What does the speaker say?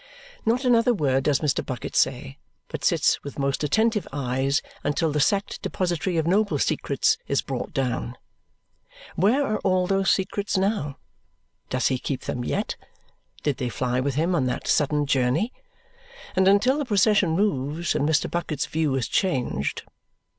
Not another word does Mr. Bucket say, but sits with most attentive eyes until the sacked depository of noble secrets is brought down Where are all those secrets now? Does he keep them yet? Did they fly with him on that sudden journey? and until the procession moves, and Mr. Bucket's view is changed.